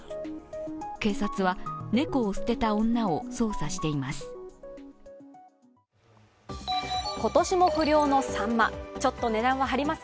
警察は猫を捨てた女を捜査しています。